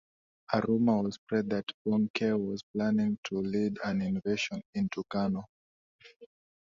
A rumor was spread that Bonnke was planning to "lead an invasion" into Kano.